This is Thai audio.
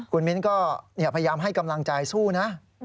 คุณมิ้นก็พยายามให้กำลังใจสู้นะ